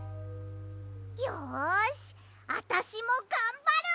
よしあたしもがんばる！